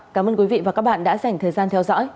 cảm ơn quý vị và các bạn đã dành thời gian theo dõi